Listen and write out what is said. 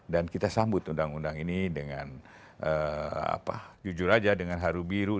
dan kita sambut undang undang ini dengan jujur saja dengan haru biru